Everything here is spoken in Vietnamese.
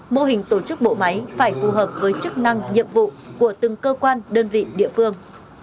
mô hình tổ chức bộ máy phải phù hợp với chức năng nhiệm vụ của từng cơ quan đơn vị địa phương